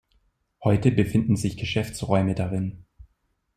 Heute befinden sich Geschäftsräume darin.